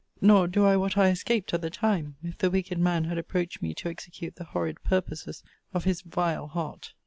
Nor do I what I escaped at the time, if the wicked man had approached me to execute the horrid purposes of his vile heart.'